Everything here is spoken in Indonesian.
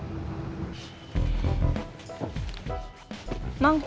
mau kenal siapa orangnya